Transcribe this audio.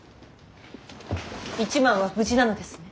一幡は無事なのですね。